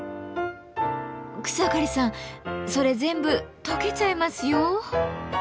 草刈さんそれ全部とけちゃいますよ。